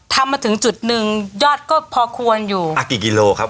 ทำมาถึงจุดหนึ่งยอดก็พอควรอยู่อ่ากี่กิโลครับ